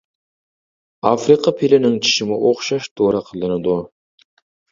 ئافرىقا پىلىنىڭ چىشىمۇ ئوخشاش دورا قىلىنىدۇ.